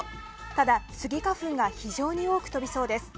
ただ、スギ花粉が非常に多く飛びそうです。